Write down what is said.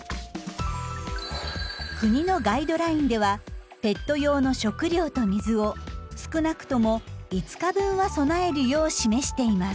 国のガイドラインではペット用の食料と水を少なくとも５日分は備えるよう示しています。